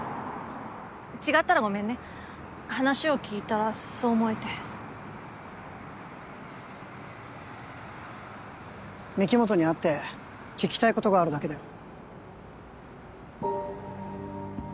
違ったらごめんね話を聞いたらそう思えて御木本に会って聞きたいことがあるだけだよ